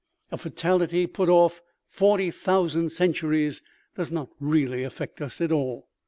A fatality put off 40,000 centuries does not really affect us at all.